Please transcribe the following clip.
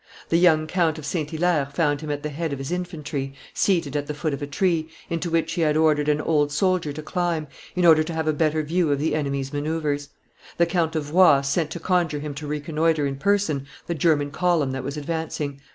The young Count of St. Hilaire found him at the head of his infantry, seated at the foot of a tree, into which he had ordered an old soldier to climb, in order to have a better view of the enemy's manoeuvres. The Count of Roye sent to conjure him to reconnoitre in person the German column that was advancing.